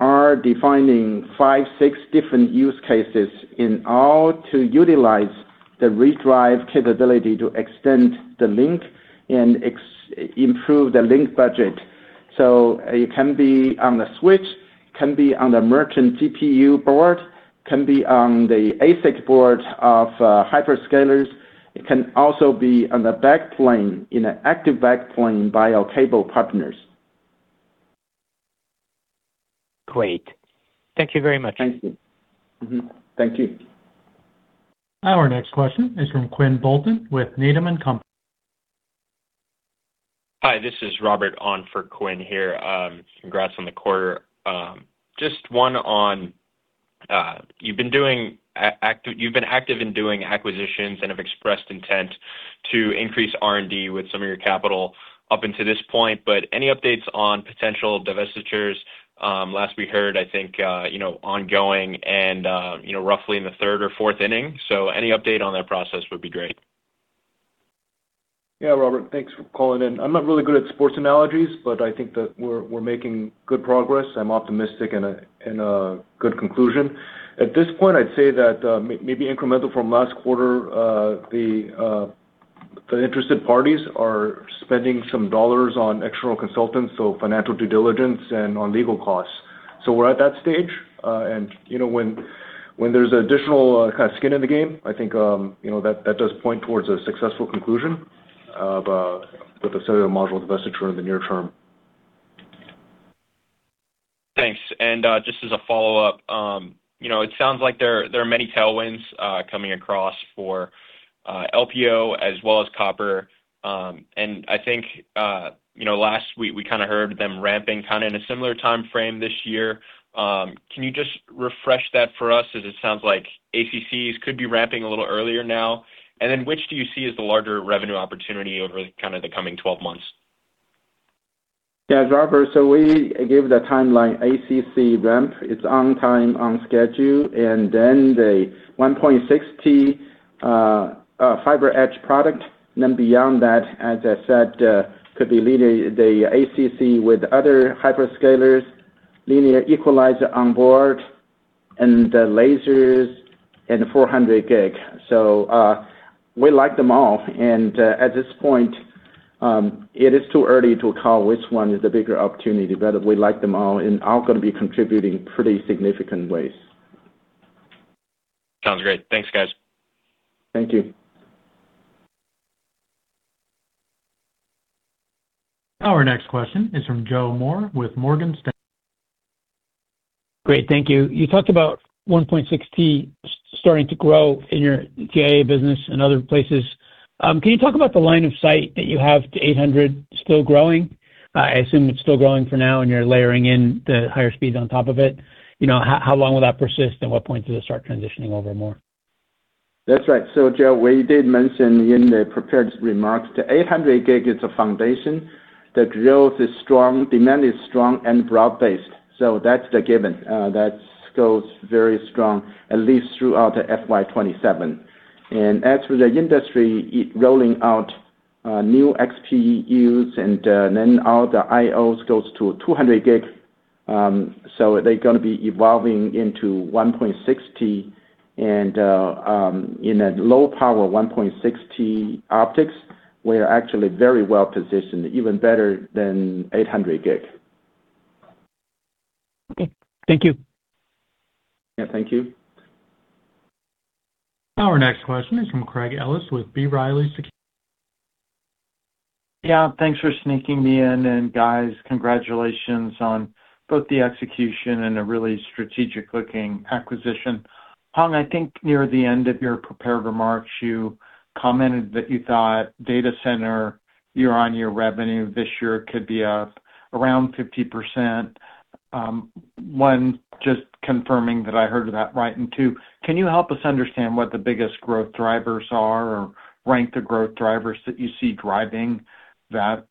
are defining five, six different use cases in how to utilize the redrive capability to extend the link and improve the link budget. It can be on the switch, can be on the merchant GPU board, can be on the ASIC board of hyperscalers. It can also be on the backplane, in an active backplane by our cable partners. Great. Thank you very much. Thank you. Thank you. Our next question is from Quinn Bolton with Needham & Company. Hi, this is Robert on for Quinn Bolton here. Congrats on the quarter. Just one on, you've been active in doing acquisitions and have expressed intent to increase R&D with some of your capital up until this point, but any updates on potential divestitures? Last we heard, I think, you know, ongoing and, you know, roughly in the third or fourth inning. Any update on that process would be great. Yeah. Robert, thanks for calling in. I'm not really good at sports analogies, but I think that we're making good progress. I'm optimistic about a good conclusion. At this point, I'd say that maybe incremental from last quarter, the interested parties are spending some dollars on external consultants, so financial due diligence and on legal costs. We're at that stage. You know, when there's additional kind of skin in the game, I think you know, that does point towards a successful conclusion with the cellular module divestiture in the near term. Thanks. Just as a follow-up, you know, it sounds like there are many tailwinds coming across for LPO as well as copper. I think, you know, last week, we kinda heard them ramping kinda in a similar timeframe this year. Can you just refresh that for us as it sounds like ACCs could be ramping a little earlier now? And then which do you see as the larger revenue opportunity over kind of the coming 12 months? Yeah. Robert, we gave the timeline ACC ramp. It's on time, on schedule, and then the 1.6Tb FiberEdge product. Then beyond that, as I said, could be linear ACC with other hyperscalers, linear equalizer on board and the lasers and 400Gb. We like them all. At this point, it is too early to call which one is the bigger opportunity, but we like them all and all gonna be contributing pretty significant ways. Sounds great. Thanks, guys. Thank you. Our next question is from Joseph Moore with Morgan Stanley. Great. Thank you. You talked about 1.6Tb starting to grow in your 800Gb business and other places. Can you talk about the line of sight that you have to 800Gb still growing? I assume it's still growing for now and you're layering in the higher speeds on top of it. You know, how long will that persist, and what point does it start transitioning over more? That's right. Joe, we did mention in the prepared remarks, the 800Gb is a foundation. The growth is strong, demand is strong and broad-based. That's the given. That goes very strong, at least throughout the FY 2027. As for the industry, it's rolling out new XPUs and then all the I/Os goes to 200Gb. They're gonna be evolving into 1.6Tb and in a low power 1.6Tb optics, we are actually very well positioned, even better than 800Gb. Okay. Thank you. Yeah, thank you. Our next question is from Craig Ellis with B. Riley Securities. Yeah. Thanks for sneaking me in. Guys, congratulations on both the execution and a really strategic looking acquisition. Hong, I think near the end of your prepared remarks, you commented that you thought data center year-on-year revenue this year could be up around 50%. One, just confirming that I heard that right. Two, can you help us understand what the biggest growth drivers are or rank the growth drivers that you see driving that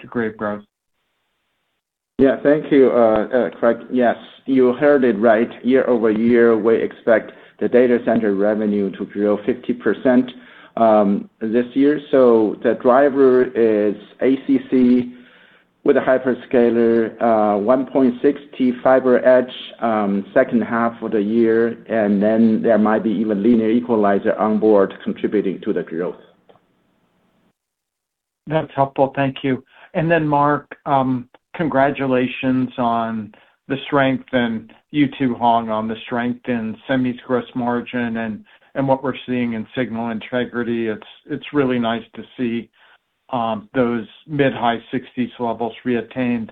degree of growth? Yeah. Thank you, Craig. Yes, you heard it right. Year-over-year, we expect the data center revenue to grow 50% this year. The driver is ACC with a hyperscaler, 1.6Tb FiberEdge, second half of the year, and then there might be even linear equalizer onboard contributing to the growth. That's helpful. Thank you. Mark, congratulations on the strength and you too, Hong, on the strength in semi's gross margin and what we're seeing in signal integrity. It's really nice to see those mid-to-high 60s levels reattained.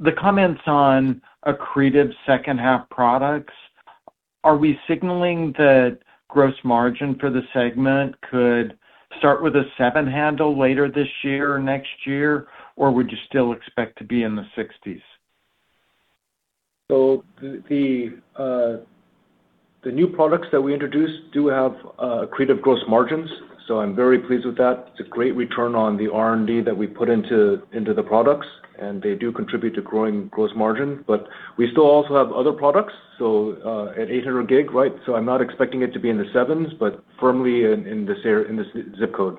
The comments on accretive second half products, are we signaling that gross margin for the segment could start with a seven handle later this year or next year? Or would you still expect to be in the 60s? The new products that we introduced do have accretive gross margins, so I'm very pleased with that. It's a great return on the R&D that we put into the products, and they do contribute to growing gross margin. We still also have other products, so at 800Gb, right? I'm not expecting it to be in the sevens, but firmly in this ZIP code.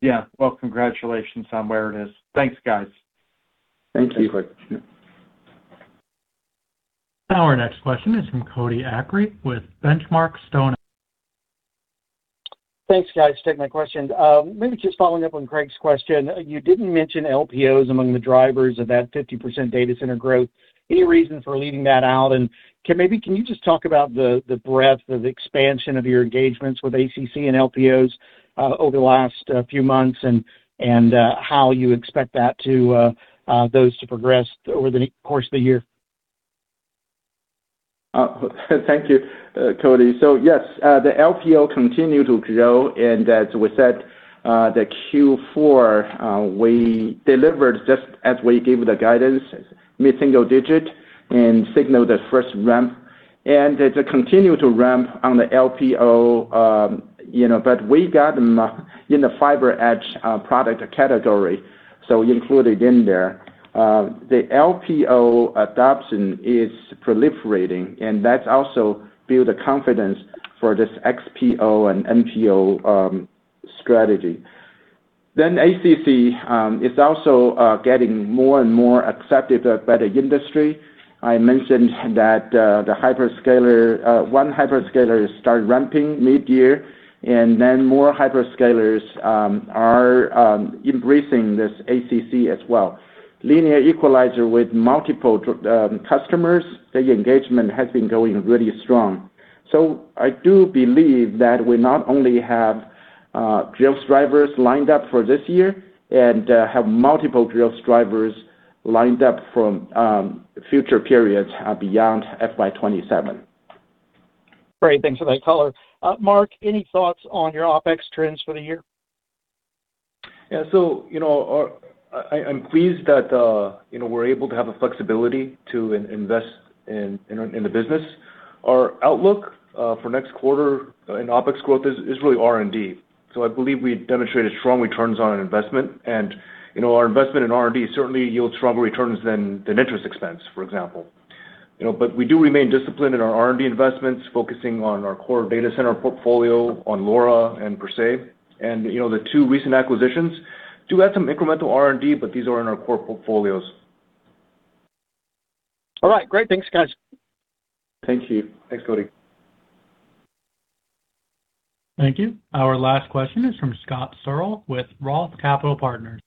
Yeah. Well, congratulations on where it is. Thanks, guys. Thank you. Thanks. Now our next question is from Cody Acree with The Benchmark Company. Thanks guys for taking my question. Maybe just following up on Craig's question. You didn't mention LPOs among the drivers of that 50% data center growth. Any reason for leaving that out? Maybe you can just talk about the breadth of expansion of your engagements with ACC and LPOs over the last few months and how you expect those to progress over the course of the year? Thank you, Cody. Yes, the LPO continue to grow, and as we said, that Q4, we delivered just as we gave the guidance, mid-single digit and signaled the first ramp. They continue to ramp on the LPO, but we got them in the FiberEdge product category, so included in there. The LPO adoption is proliferating, and that's also build the confidence for this XPO and NPO strategy. ACC is also getting more and more accepted by the industry. I mentioned that one hyperscaler started ramping mid-year, and then more hyperscalers are embracing this ACC as well. Linear equalizer with multiple customers. The engagement has been going really strong. I do believe that we not only have growth drivers lined up for this year and have multiple growth drivers lined up from future periods beyond FY 2027. Great. Thanks for that color. Mark, any thoughts on your OpEx trends for the year? Yeah. You know, I'm pleased that you know, we're able to have the flexibility to invest in the business. Our outlook for next quarter in OpEx growth is really R&D. I believe we demonstrated strong returns on investment. You know, our investment in R&D certainly yields stronger returns than interest expense, for example. You know, but we do remain disciplined in our R&D investments, focusing on our core data center portfolio on LoRa and PerSe. You know, the two recent acquisitions do add some incremental R&D, but these are in our core portfolios. All right, great. Thanks, guys. Thank you. Thanks, Cody. Thank you. Our last question is from Scott Searle with Roth Capital Partners.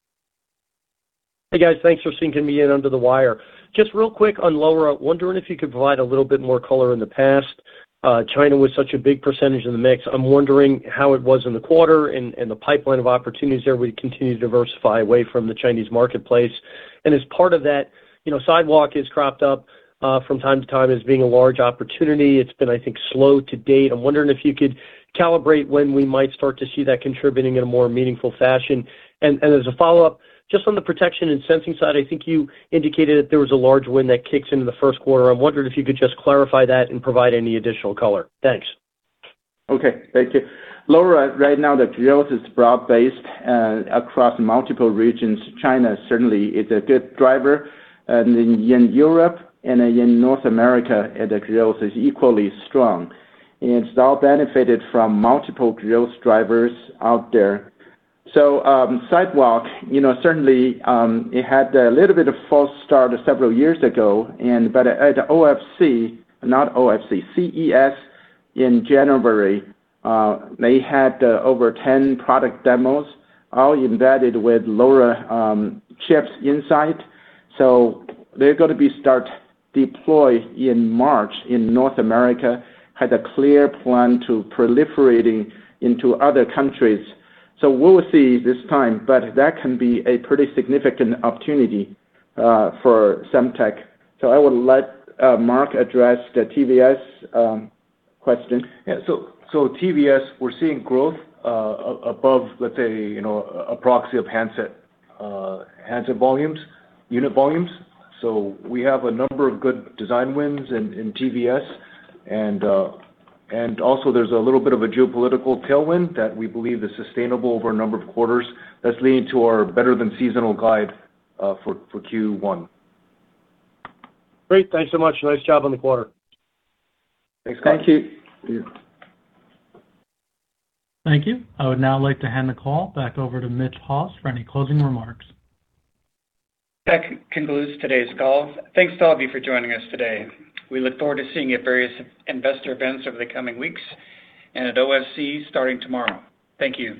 Hey, guys. Thanks for sneaking me in under the wire. Just real quick on LoRa. Wondering if you could provide a little bit more color. In the past, China was such a big percentage of the mix. I'm wondering how it was in the quarter and the pipeline of opportunities there. Will you continue to diversify away from the Chinese marketplace? And as part of that, you know, Sidewalk has cropped up from time to time as being a large opportunity. It's been, I think, slow to date. I'm wondering if you could calibrate when we might start to see that contributing in a more meaningful fashion. And as a follow-up, just on the protection and sensing side, I think you indicated that there was a large win that kicks into the first quarter. I'm wondering if you could just clarify that and provide any additional color. Thanks. Okay. Thank you. LoRa, right now the growth is broad-based, across multiple regions. China certainly is a good driver. In Europe and in North America, the growth is equally strong. It's all benefited from multiple growth drivers out there. Sidewalk, you know, certainly, it had a little bit of false start several years ago but at CES in January, they had, over 10 product demos all embedded with LoRa, chips inside. They're gonna start deploy in March in North America. Had a clear plan to proliferating into other countries. We'll see this time, but that can be a pretty significant opportunity, for Semtech. I would let, Mark address the TVS, question. Yeah. TVS, we're seeing growth above, let's say, you know, a proxy of handset volumes, unit volumes. We have a number of good design wins in TVS. Also there's a little bit of a geopolitical tailwind that we believe is sustainable over a number of quarters. That's leading to our better-than-seasonal guide for Q1. Great. Thanks so much. Nice job on the quarter. Thanks. Thank you. Thank you. I would now like to hand the call back over to Mitch Haws for any closing remarks. That concludes today's call. Thanks to all of you for joining us today. We look forward to seeing you at various investor events over the coming weeks and at OFC starting tomorrow. Thank you.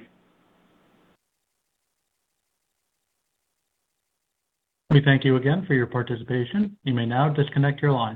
We thank you again for your participation. You may now disconnect your lines.